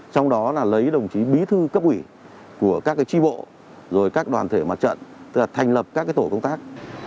trong đó là lấy đồng chí bí thư cấp ủy của các tri bộ rồi các đoàn thể mặt trận tức là thành lập các tổ công tác